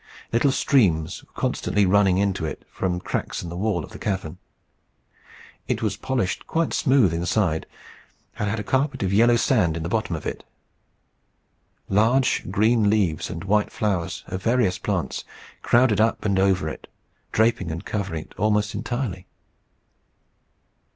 Little streams were constantly running into it from cracks in the wall of the cavern. It was polished quite smooth inside, and had a carpet of yellow sand in the bottom of it. Large green leaves and white flowers of various plants crowded up and over it, draping and covering it almost entirely.